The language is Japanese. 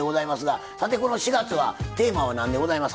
さてこの４月はテーマは何でございますか？